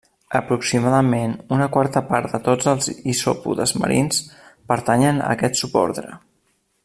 Aproximadament una quarta part de tots els isòpodes marins pertanyen a aquest subordre.